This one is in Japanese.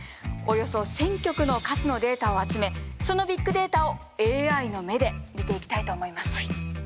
およそ１０００曲の歌詞のデータを集めそのビッグデータをＡＩの目で見ていきたいと思います。